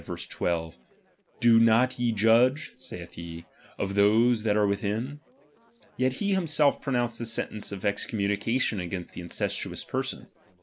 12) : Do not ye judge, saith he, of those that are within ? Yet he himself pronounced the sentence of excom munication against the incestuous person.